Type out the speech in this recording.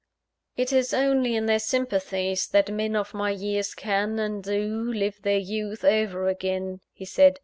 "It is only in their sympathies, that men of my years can, and do, live their youth over again," he said.